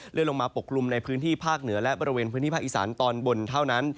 ลงมาปกกลุ่มในพื้นที่ภาคเหนือและบริเวณพื้นที่ภาคอีสานตอนบนเท่านั้น